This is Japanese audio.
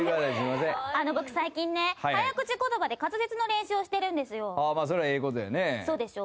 あの僕、最近ね、早口言葉で滑舌の練習をしてるんですよ。